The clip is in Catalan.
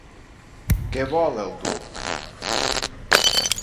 Què vol el duc?